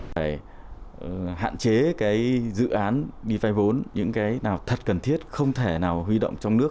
phải hạn chế cái dự án đi vay vốn những cái nào thật cần thiết không thể nào huy động trong nước